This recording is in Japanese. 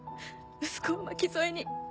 息子を巻き添えに。